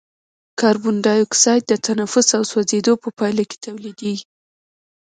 کاربن ډای اکساید د تنفس او سوځیدو په پایله کې تولیدیږي.